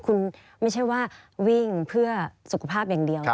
คุณไม่ใช่ว่าวิ่งเพื่อสุขภาพอย่างเดียว